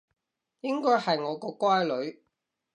應該係我個乖女